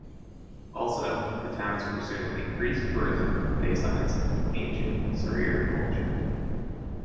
Also, the town is pursuing increased tourism based on its ancient Serer culture.